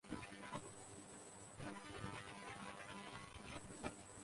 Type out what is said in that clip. There are usually grave consequences.